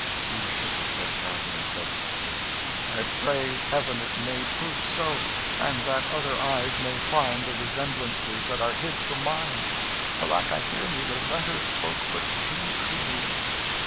Hugh shook his head sadly, and said "I pray heaven it may prove so, and that other eyes may find the resemblances that are hid from mine. Alack, I fear me the letter spoke but too truly."